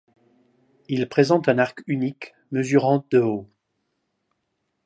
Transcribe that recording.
Il présente un arc unique, mesurant de haut.